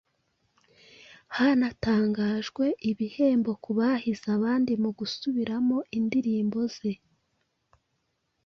Hanatangajwe ibihembo ku bahize abandi mu gusubiramo indirimbo ze,